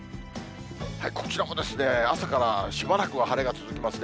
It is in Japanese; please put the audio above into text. こちらはですね、朝からしばらくは晴れが続きますね。